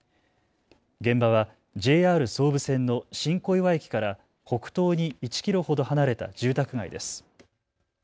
現場はＪＲ総武線の新小岩駅から北東に１キロほど離れた住宅街です。